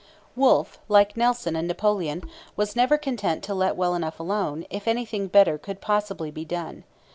Wolfe, like Nelson and Napoleon, was never content to 'let well enough alone,' if anything better could possibly be done.